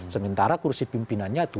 sementara kursi pimpinannya tujuh